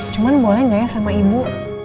cuman boleh gak ya sama ibu